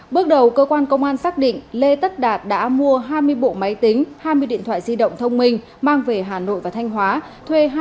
bước đầu cơ quan công an xác định lê tất đạt đã mua hai mươi bộ máy tính hai mươi điện thoại di động thông minh mang về hà nội và thanh hóa